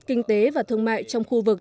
kinh tế và thương mại trong khu vực